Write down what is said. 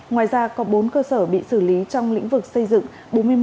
ngoài ra có bốn cơ sở bị xử lý trong lĩnh vực xây dựng